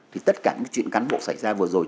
thì tất cả những chuyện cán bộ xảy ra vừa rồi